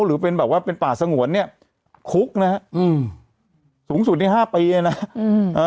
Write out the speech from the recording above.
หรือเป็นแบบว่าเป็นป่าสงวนเนี้ยคุกนะฮะอืมสูงสุดในห้าปีอ่ะนะอืมเอ่อ